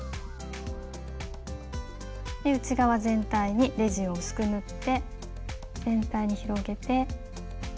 内側全体にレジンを薄く塗って全体に広げて。